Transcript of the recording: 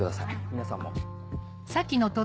皆さんも。